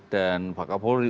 dan pak kapolri